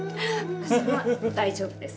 そこは大丈夫です。